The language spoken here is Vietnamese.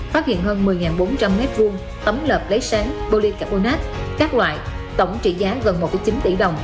phát hiện hơn một mươi bốn trăm linh mét vuông tấm lợp lấy sáng polycarbonate các loại tổng trị giá gần một chín tỷ đồng